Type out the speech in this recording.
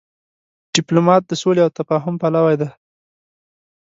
ډيپلومات د سولي او تفاهم پلوی دی.